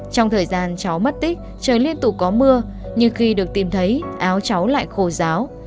trong thời gian cháu mất tích trời liên tục có mưa nhưng khi được tìm thấy áo cháu lại khổ giáo